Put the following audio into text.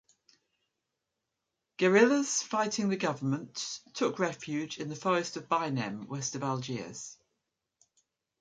Guerrillas fighting the government took refuge in the forest of Bainem west of Algiers.